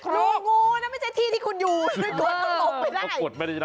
รูงูน่ะไม่ใช่ที่ที่คุณอยู่มันก็ต้องหลบไปได้